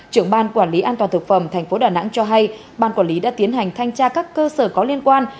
trưởng ban quản lý an toàn thực phẩm tp đà nẵng cho hay ban quản lý đã tiến hành thanh tra các cơ sở có liên quan